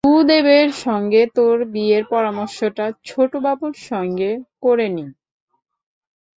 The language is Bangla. সুদেবের সঙ্গে তোর বিয়ের পরামর্শটা ছোটবাবুর সঙ্গে করে নি।